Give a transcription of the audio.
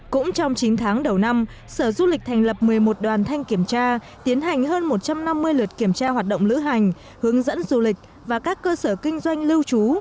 cũng trong chín tháng đầu năm sở du lịch thành lập một mươi một đoàn thanh kiểm tra tiến hành hơn một trăm năm mươi lượt kiểm tra hoạt động lữ hành hướng dẫn du lịch và các cơ sở kinh doanh lưu trú